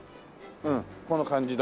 うんこの感じだ。